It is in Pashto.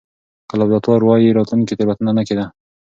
که لابراتوار واي، راتلونکې تېروتنه نه کېده.